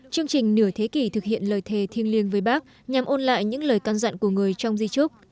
chương trình nửa thế kỷ thực hiện lời thề thiêng liêng với bác nhằm ôn lại những lời can dặn của người trong di trúc